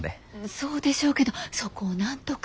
そうでしょうけどそこをなんとか。